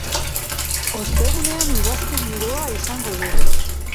Ostegunean, udazken giroa izango dugu.